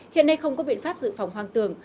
hiện nay không có biện pháp dự phòng hoang tường